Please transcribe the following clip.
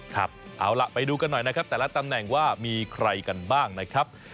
ครับเอาล่ะไปดูกันหน่อยนะครับแต่ละตำแหน่งว่ามีใครกันบ้างนะครับ